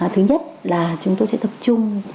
thứ nhất là chúng tôi sẽ tập trung